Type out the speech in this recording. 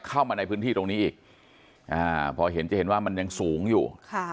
เข้ามาในพื้นที่ตรงนี้อีกพอเห็นจะเห็นว่ามันยังสูงอยู่